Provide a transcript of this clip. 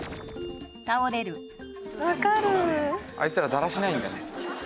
あいつらだらしないんだね。